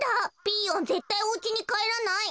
ピーヨンぜったいおうちにかえらない。